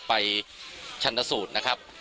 ชันสูตรนะครับ